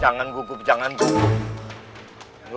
jangan gugup jangan gugup